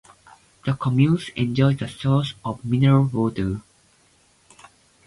The commune enjoys a source of mineral water.